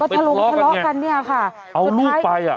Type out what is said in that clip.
เออไปทะเลาะกันไงเอาลูกไป